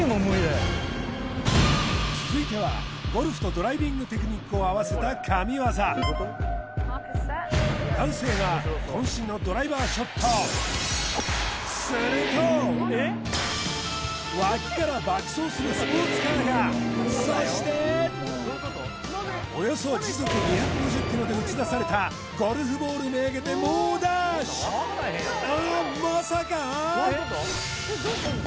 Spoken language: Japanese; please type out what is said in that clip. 続いてはゴルフとドライビングテクニックを合わせた神業男性が渾身のドライバーショットすると脇から爆走するスポーツカーがそしておよそ時速２５０キロで打ち出されたゴルフボール目がけて猛ダッシュあっまさか？